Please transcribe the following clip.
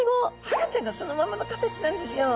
赤ちゃんがそのままの形なんですよ。